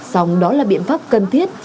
song đó là biện pháp cần thiết